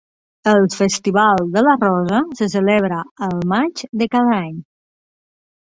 El Festival de la Rosa se celebra el maig de cada any.